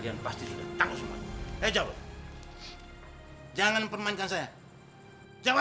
kepada hasan ahmad kami persilakan